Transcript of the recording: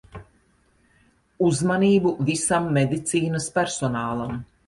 Uzmanību visam medicīnas personālam.